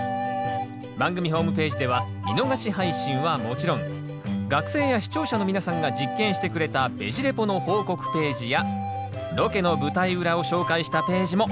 番組ホームページでは見逃し配信はもちろん学生や視聴者の皆さんが実験してくれた「ベジ・レポ」の報告ページやロケの舞台裏を紹介したページも。